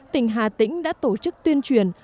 tỉnh hà tĩnh đã tổ chức tuyên truyền